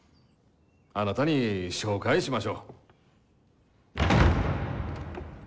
あなたに紹介しましょう。